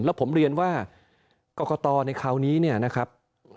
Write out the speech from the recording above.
แล้วผมเรียนว่ากรกตในคราวนี้เนี่ยนะครับ